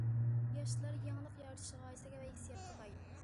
ياشلار يېڭىلىق يارىتىش غايىسىگە ۋە ھېسسىياتقا باي.